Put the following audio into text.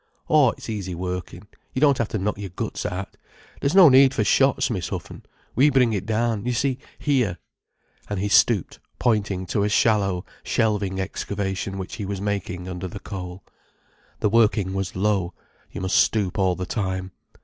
Oh, it's easy workin'—you don't have to knock your guts out. There's no need for shots, Miss Huffen—we bring it down—you see here—" And he stooped, pointing to a shallow, shelving excavation which he was making under the coal. The working was low, you must stoop all the time.